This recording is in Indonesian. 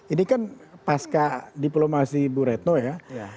ini kan pasca diplomasi bu retno ya